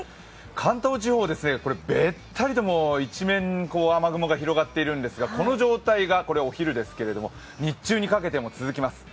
関東地方、べったりと一面雨雲が広がっているんですが、この状態が、これはお昼ですけど日中にかけても続きます。